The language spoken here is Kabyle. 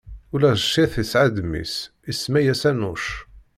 Ula d Cit isɛa-d mmi-s, isemma-yas Anuc.